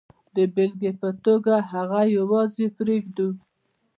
د بېلګې په توګه هغه یوازې پرېږدو.